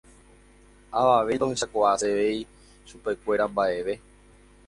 Avave ndohechakuaaséi chupekuéra mbaʼeve.